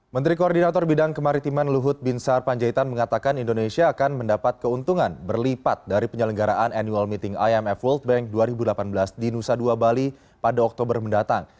menteri koordinator bidang kemaritiman luhut binsar panjaitan mengatakan indonesia akan mendapat keuntungan berlipat dari penyelenggaraan annual meeting imf world bank dua ribu delapan belas di nusa dua bali pada oktober mendatang